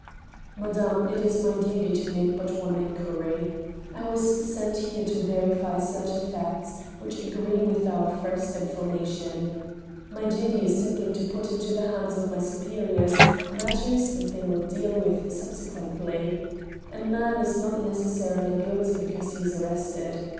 " Madame, it is my duty to make but one inquiry. I was sent here to verify certain facts which agree with our first information. ... My duty is simply to put into the hands of my superiors mat ters that they will deal with subsequently. ... A man is not neces sarily guilty because he is arrested.